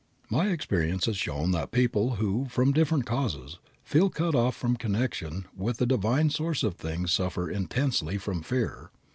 My experience has shown that people who, from different causes, feel cut off from connection with the Divine Source of things suffer intensely from fear.